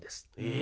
え。